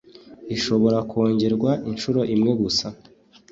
ishobora kongerwa inshuro imwe gusa